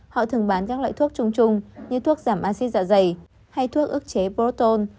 họ thường bán các loại thuốc chung chung như thuốc giảm axit dạ dày hay thuốc ức chế proton